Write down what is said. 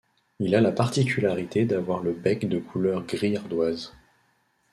Il a la particularité d'avoir le bec de couleur gris ardoise.